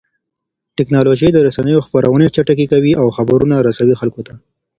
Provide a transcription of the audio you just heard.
ټکنالوژي د رسنيو خپرونې چټکې کوي او خبرونه رسوي خلکو ته.